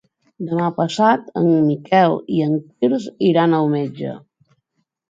Demà passat en Miquel i en Quirze iran al metge.